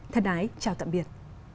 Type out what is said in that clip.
thân ái chào tạm biệt